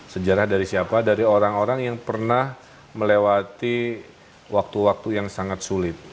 sejarah dari siapa dari orang orang yang pernah melewati waktu waktu yang sangat sulit